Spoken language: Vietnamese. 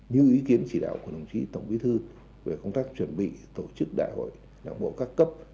như ý kiến chỉ đạo của đồng chí tổng bí thư về công tác chuẩn bị tổ chức đại hội đảng bộ các cấp